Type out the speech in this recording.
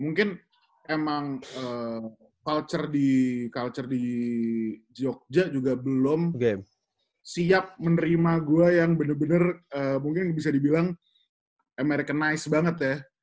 mungkin emang culture di culture di jogja juga belum siap menerima gue yang bener bener mungkin bisa dibilang americanise banget ya